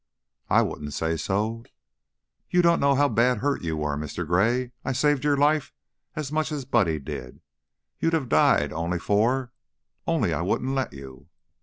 "I wouldn't say so." "You don't know how bad hurt you were, Mr. Gray. I saved your life as much as Buddy did. You'd have died only for only I wouldn't let you."